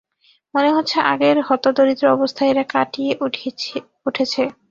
মনে হচ্ছে আগের হতদরিদ্র অবস্থা এরা কাটিয়ে উঠেছে।